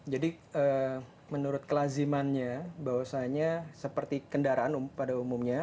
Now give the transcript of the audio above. jadi menurut kelazimannya bahwasannya seperti kendaraan pada umumnya